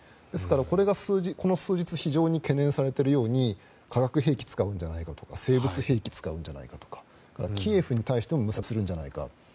ですから、これがこの数日懸念されているように化学兵器を使うんじゃないかとか生物兵器を使うんじゃないかあるいはキエフに対しても無差別攻撃をするんじゃないか。